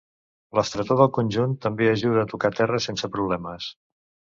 L'estretor del conjunt també ajuda a tocar terra sense problemes.